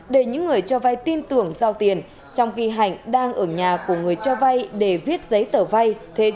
để những người cho vai tin tưởng giao tiền trong khi hạnh đang ở nhà của người cho vay để viết giấy tờ vay